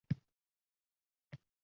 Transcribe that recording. Kuchlarini berishar.